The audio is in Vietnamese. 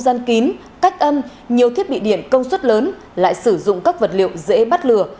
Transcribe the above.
với đặc thù kết cấu không gian kín cách âm nhiều thiết bị điện công suất lớn lại sử dụng các vật liệu dễ bắt lừa